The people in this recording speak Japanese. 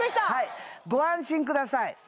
ご安心ください